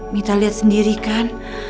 mita lihat sendiri kan